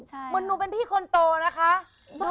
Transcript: เหมือนหนูเป็นพี่คนโตนะคะ